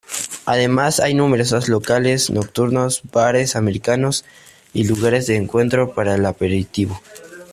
Además hay numerosos locales nocturnos, bares americanos y lugares de encuentro para el aperitivo.